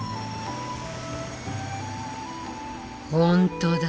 本当だ。